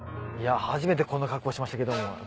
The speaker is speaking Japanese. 初めてこんな格好しましたけども。